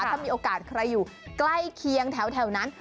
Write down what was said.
ถ้ามีโอกาสใครอยู่ใกล้เคียงแถวนั้น